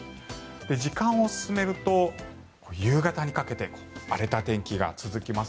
時間を進めると夕方にかけて荒れた天気が続きます。